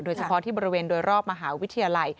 โดยเฉพาะที่บริเวณโดยรอบมหาวิทยาลัย